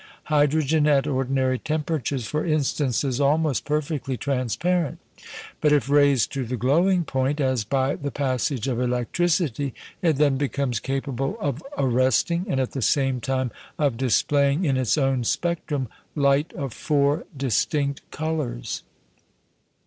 Hydrogen at ordinary temperatures, for instance, is almost perfectly transparent, but if raised to the glowing point as by the passage of electricity it then becomes capable of arresting, and at the same time of displaying in its own spectrum light of four distinct colours.